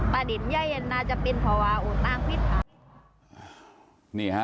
ประเด็นย่าเย็นน่าจะเป็นพอว่าโองตางดพิษนี่